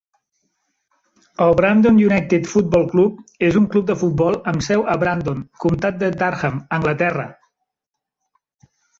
El Brandon United Football Club és un club de futbol amb seu a Brandon, comtat de Durham, Anglaterra.